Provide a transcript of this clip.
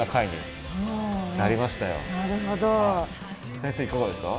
先生いかがですか？